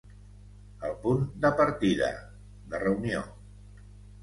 El punt de partida, de reunió.